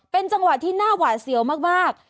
เป็นจังหวะที่น่าหวาดเสียวมาก